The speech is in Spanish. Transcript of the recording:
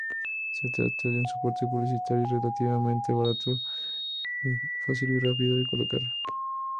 Se trata de un soporte publicitario relativamente barato, fácil y rápido de colocar.